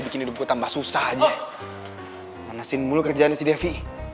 aku yang ketemu sama bu devi